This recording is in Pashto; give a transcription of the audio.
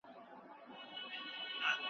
ما په غزل کي وه د حق پر جنازه ژړلي